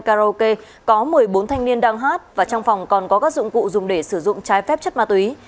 karaoke có một mươi bốn thanh niên đang hát và trong phòng còn có các dụng cụ dùng để sử dụng trái phép chất ma túy